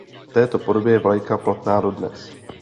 V této podobě je vlajka platná dodnes.